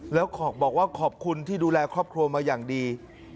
แล้วบอกว่าขอบคุณที่ดูแลครอบครัวมาอย่างดี